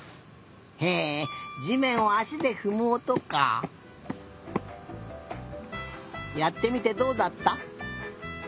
へえじめんをあしでふむおとか！やってみてどうだった？